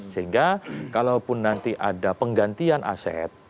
sehingga kalau pun nanti ada penggantian aset